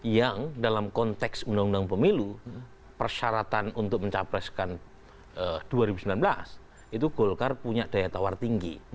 yang dalam konteks undang undang pemilu persyaratan untuk mencapreskan dua ribu sembilan belas itu golkar punya daya tawar tinggi